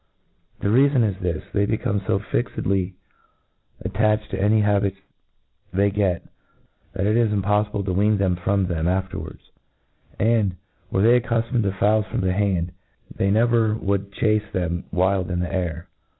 The reafon is jthis i they become fo fixedly attached to any habits they get, that it is impofliible to wean them from them after wards ; and, were they accuflomied to fowls from the hand, they never would chace them wild in the air.